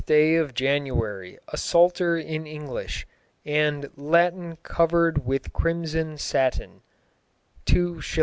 day of January a Psalter in englische and latine covered with crimoysyn satyne, 2s."